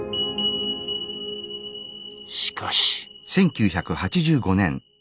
しかし。